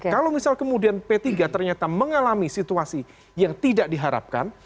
kalau misal kemudian p tiga ternyata mengalami situasi yang tidak diharapkan